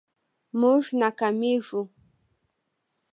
مونږ ناکامیږو